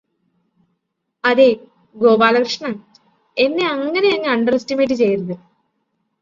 അതേ ഗോപാലകൃഷ്ണാ എന്നെ അങ്ങനെയങ്ങ് under estimate ചെയ്യരുത്